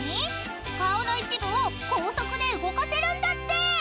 ［顔の一部を高速で動かせるんだって！］